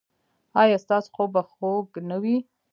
ایا ستاسو خوب به خوږ نه وي؟